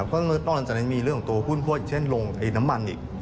เพราะตอนนั้นมีเรื่องของตัวหุ้นพวกเช่นลงน้ำมันอีก